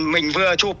mình vừa chụp